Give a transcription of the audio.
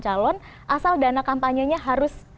calon asal dana kampanye nya harus